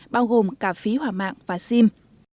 bao gồm cả phí hỏa mạng và sim